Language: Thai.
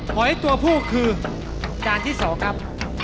หอยตัวผู้คือจานที่๒ครับ